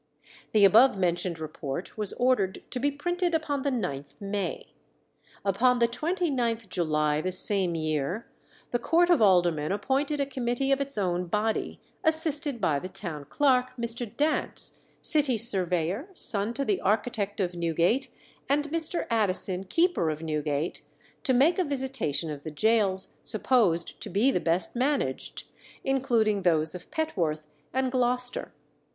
The above mentioned report was ordered to be printed upon the 9th May. Upon the 29th July the same year, the court of aldermen appointed a committee of its own body, assisted by the town clerk, Mr. Dance, city surveyor, son to the architect of Newgate, and Mr. Addison, keeper of Newgate, to make a visitation of the gaols supposed to be the best managed, including those of Petworth and Gloucester.